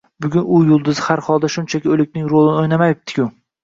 Bugun u yulduz, har holda, shunchaki oʻlikning rolini oʻynamaydi-ku.